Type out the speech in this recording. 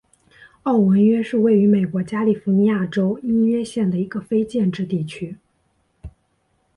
奥文约是位于美国加利福尼亚州因约县的一个非建制地区。